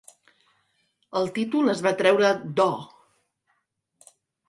El títol es va treure d'Oh!